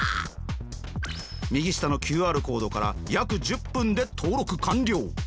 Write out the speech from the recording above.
右下のＱＲコードから約１０分で登録完了。